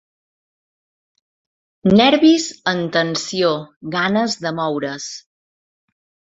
Nervis en tensió, ganes de moure's.